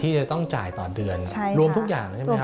จะต้องจ่ายต่อเดือนรวมทุกอย่างใช่ไหมครับ